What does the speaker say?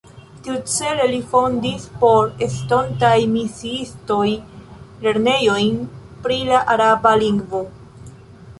Tiucele li fondis por estontaj misiistoj lernejojn pri la araba lingvo.